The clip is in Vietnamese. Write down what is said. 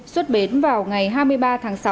xuất bến vào ngày hai mươi ba tháng sáu